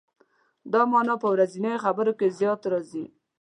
دا معنا په ورځنیو خبرو کې زیات راځي.